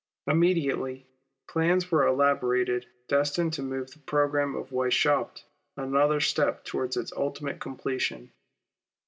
Immediately, plans were elaborated destined to move the programme of Weishaupt another step towards its ultimate completion.